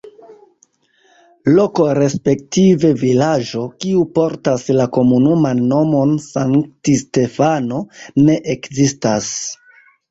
Loko respektive vilaĝo, kiu portas la komunuman nomon Sankt-Stefano, ne ekzistas.